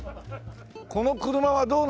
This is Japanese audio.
この車はどうなの？